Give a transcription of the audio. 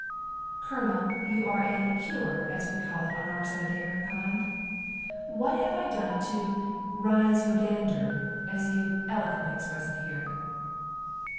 "Colonel, you are a 'cure,' as we call it on our side of the herring pond. What have I done to 'riz your dander,' as you elegantly express it here?"